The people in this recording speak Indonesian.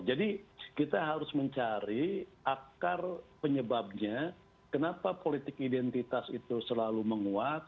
jadi kita harus mencari akar penyebabnya kenapa politik identitas itu selalu menguat